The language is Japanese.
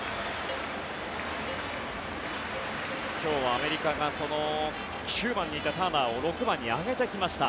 今日はアメリカが９番にいたターナーを６番に上げてきました。